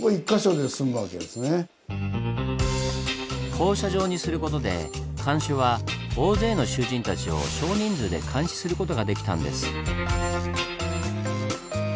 放射状にすることで看守は大勢の囚人たちを少人数で監視することができたんです。